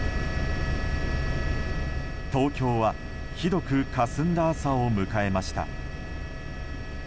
東京はひどくかすんだ朝を迎えました。